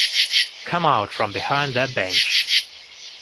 Come out from behind that bench.